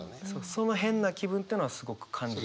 その「変な気分」っていうのはすごく感じて。